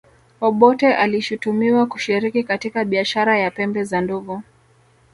obote alishutumiwa kushiriki katika biashara ya pembe za ndovu